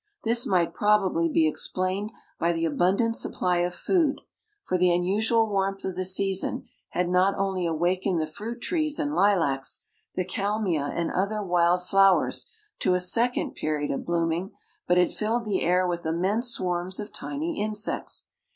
This might probably be explained by the abundant supply of food, for the unusual warmth of the season had not only awakened the fruit trees and lilacs, the kalmia and other wild flowers, to a second period of blooming, but had filled the air with immense swarms of tiny insects.